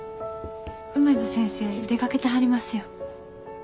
梅津先生出かけてはりますよ。